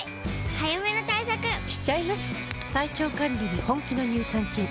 早めの対策しちゃいます。